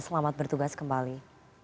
selamat bertugas kembali